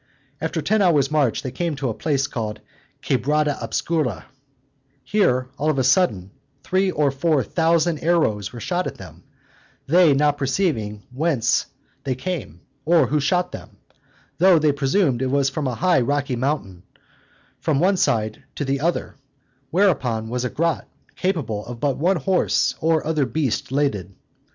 After ten hours' march they came to a place called Quebrada Obscura: here, all on a sudden, three or four thousand arrows were shot at them, they not perceiving whence they came, or who shot them: though they presumed it was from a high rocky mountain, from one side to the other, whereon was a grot, capable of but one horse or other beast laded.